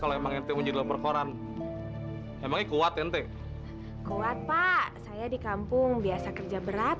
kalau emang enggak mau jauh percoran emang kuat ente kuat pak saya di kampung biasa kerja berat